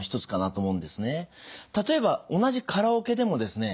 例えば同じカラオケでもですね